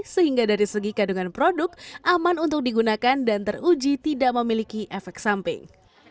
sehingga dari segi kandungan produk aman untuk digunakan dan teruji tidak memiliki efek samping